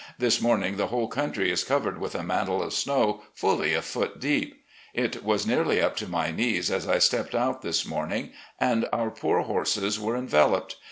This morning the whole country is covered with a THE ARMY OF NORTHERN VIRGINIA 93 mantle of snow fully a foot deep. It was nearly up to my knees as I stepped out this morning, and our poor horses were enveloped.